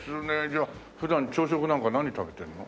じゃあ普段朝食なんか何食べてんの？